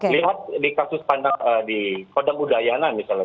lihat di kasus di kodam udayana misalnya